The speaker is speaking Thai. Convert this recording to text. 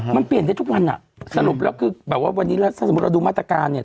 มันเปลี่ยนได้ทุกวันอ่ะสรุปแล้วคือแบบว่าวันนี้แล้วถ้าสมมุติเราดูมาตรการเนี่ย